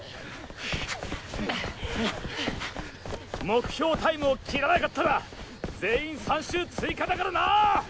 目標タイムを切らなかったら全員３周追加だからなっ！